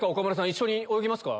一緒に泳ぎますか？